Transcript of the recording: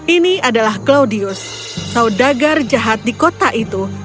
ini adalah claudius saudagar jahat di kota itu